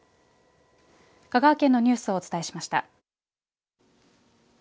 香川県のニュースをお伝えしました。